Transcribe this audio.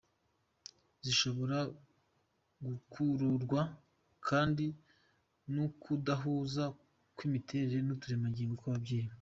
Zishobora gukururwa kandi n’ukudahuza kw’imiterere y’uturemangingo tw’ababyeyi.